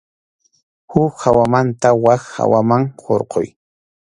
Huk hawamanta wak hawaman hurquy.